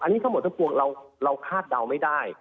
อันนี้หมดจะปวงเราคาดเดาไม่ได้